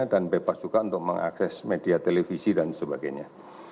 dan bebas juga untuk mengakses media televisi dan sebagainya